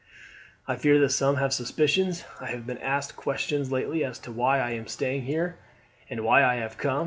I fear that some have suspicions. I have been asked questions lately as to why I am staying here, and why I have come.